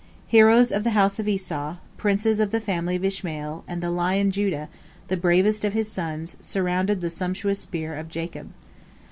Heroes of the house of Esau, princes of the family of Ishmael, and the lion Judah, the bravest of his sons, surrounded the sumptuous bier of Jacob.